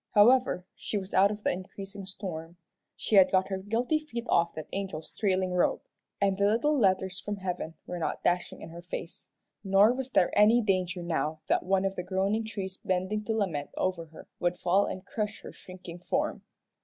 However, she was out of the increasing storm. She had got her guilty feet off that angel's trailing robe, and the little letters from heaven were not dashing in her face, nor was there any danger now that one of the groaning trees bending to lament over her would fall and crush her shrinking form.